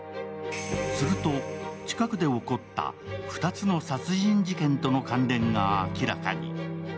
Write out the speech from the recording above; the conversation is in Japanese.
すると近くで起こった２つの殺人事件との関連が明らかに。